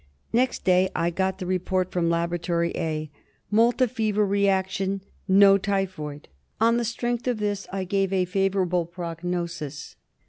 Next day I got the report from Laboratory A" —Malta fever reaction, no typhoid." On the strength of this I gave a favourable prognosis.